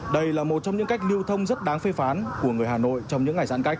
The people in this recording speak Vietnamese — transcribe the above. đây là một trong những cách lưu thông rất đáng phê phán của người hà nội trong những ngày giãn cách